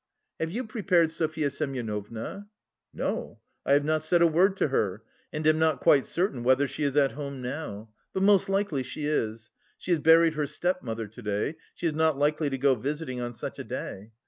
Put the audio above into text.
"Have you prepared Sofya Semyonovna?" "No, I have not said a word to her and am not quite certain whether she is at home now. But most likely she is. She has buried her stepmother to day: she is not likely to go visiting on such a day.